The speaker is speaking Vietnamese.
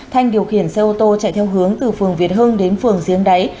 thanh điều khiển xe ô tô chạy theo hướng từ phường việt hưng đến phường giếng đáy